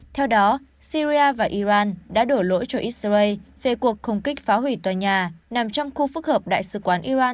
theo đó syria và iran đã đổ lỗi cho israel về cuộc không kích phá hủy tòa nhà nằm trong khu phức hợp đại sứ quán iran